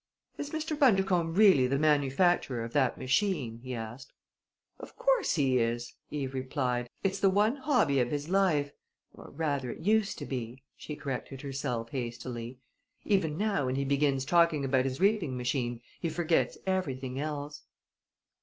"Is Mr. Bundercombe really the manufacturer of that machine?" he asked. "Of course he is!" Eve replied. "It's the one hobby of his life or, rather, it used to be," she corrected herself hastily. "Even now, when he begins talking about his reaping machine he forgets everything else."